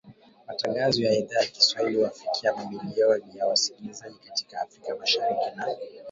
Matangazo ya Idhaa ya Kiswahili huwafikia mamilioni ya wasikilizaji katika Afrika Mashariki na